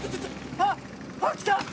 あっきた！